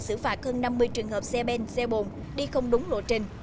xử phạt hơn năm mươi trường hợp xe bên xe bồn đi không đúng lộ trình